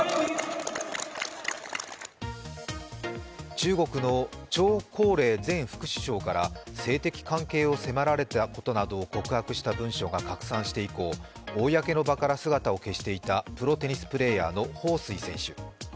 中国の張高麗前副首相から性的関係を迫られたことなどを告白した文書が拡散して以降、公の場から姿を消していたプロテニスプレーヤーの彭帥選手。